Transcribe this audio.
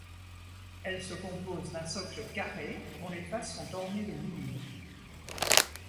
Elle se compose d'un socle carré dont les faces sont ornées de moulures.